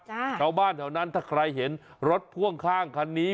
ชาวบ้านแถวนั้นถ้าใครเห็นรถพ่วงข้างคันนี้